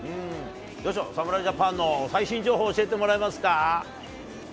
どうでしょう、侍ジャパンの最新情報、教えてもらえますか。